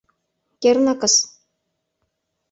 — Кернакыс.